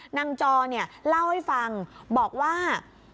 จอเนี่ยเล่าให้ฟังบอกว่า